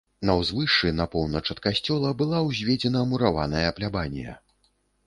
На ўзвышшы на поўнач ад касцёла была ўзведзена мураваная плябанія.